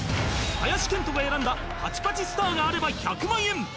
林遣都が選んだパチパチスターがあれば１００万円！